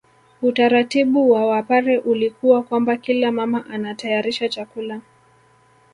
Utaratibu wa Wapare ulikuwa kwamba kila mama anatayarisha chakula